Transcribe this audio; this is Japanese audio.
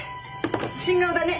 新顔だね。